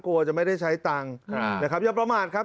กลัวจะไม่ได้ใช้ตังค์นะครับอย่าประมาทครับ